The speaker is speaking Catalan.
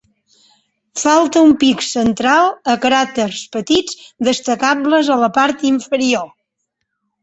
Falta un pic central o cràters petits destacables a la part inferior.